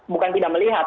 bukan tidak melihat